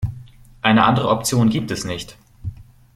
Eine andere Option gibt es nicht.